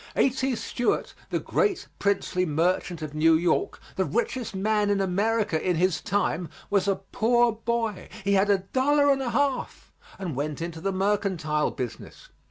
A.T. Stewart, the great princely merchant of New York, the richest man in America in his time, was a poor boy; he had a dollar and a half and went into the mercantile business.